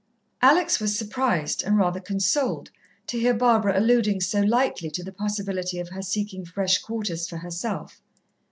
Alex was surprised, and rather consoled, to hear Barbara alluding so lightly to the possibility of her seeking fresh quarters for herself.